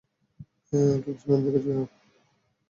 Kingsman দীর্ঘজীবি হোক।